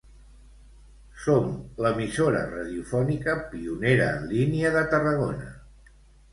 Som l'emissora radiofònica pionera en línia de Tarragona.